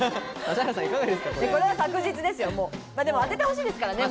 当ててほしいですからね。